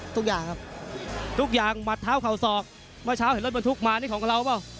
ทุกอย่างครับทุกอย่างหมัดเท้าเข่าศอกเมื่อเช้าเห็นรถบรรทุกมานี่ของเราเปล่า